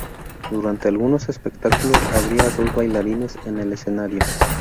Durante algunos espectáculos, habría dos bailarines en el escenario.